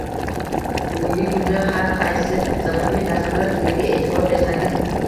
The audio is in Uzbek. Bugungi kunda har qaysi zamonaviy dasturlash tiliga e’tibor bersangiz